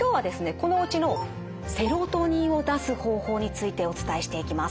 このうちのセロトニンを出す方法についてお伝えしていきます。